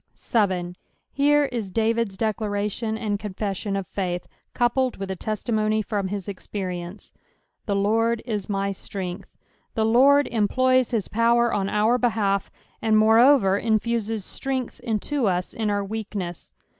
1. Here is DsTid'e declaration «nd confewion of faith, M>upled with a testi' monf from hie experience. "7'Ae Lurd u tny ftrtngth.'^ The Ijord employs his power on our behalf, and moreoTer, infuses strength into us in our weakness.